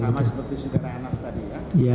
sama seperti singgana anas tadi ya